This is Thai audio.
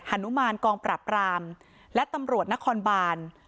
นุมานกองปราบรามและตำรวจนครบาน